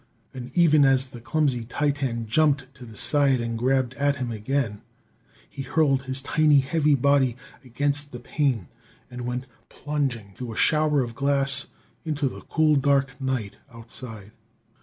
And even as the clumsy titan jumped to the side and grabbed again at him, he hurled his tiny, heavy body against the pane, and went plunging through a shower of glass into the cool dark night outside.